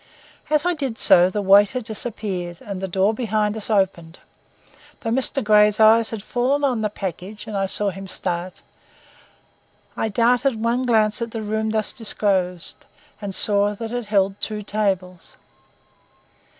As I did so the waiter disappeared and the door behind us opened. Though Mr. Grey's eye had fallen on the package, and I saw him start, I darted one glance at the room thus disclosed, and saw that it held two tables.